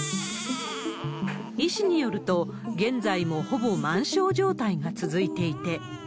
医師によると、現在もほぼ満床状態が続いていて。